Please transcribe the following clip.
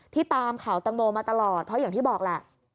ตามข่าวตังโมมาตลอดเพราะอย่างที่บอกแหละ